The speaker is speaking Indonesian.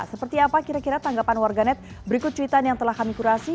seperti apa kira kira tanggapan warganet berikut cuitan yang telah kami kurasi